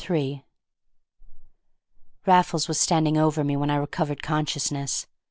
III Raffles was standing over me when I recovered consciousness.